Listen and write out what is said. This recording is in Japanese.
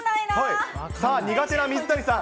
さあ、苦手な水谷さん。